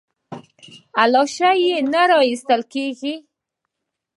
لاش یې نه راایستل کېږي.